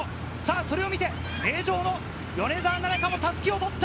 それを見て名城の米澤奈々香も襷を持った！